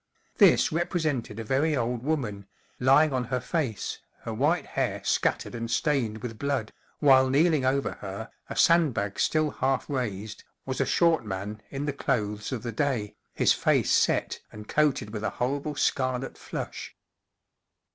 This represented a very old woman, lying on her face, her white hair scattered and stained with blood, while kneeling over her, a sand¬ bag still half raised, was a short man in the clothes of the day, his face set and coated with a horrible scarlet flush.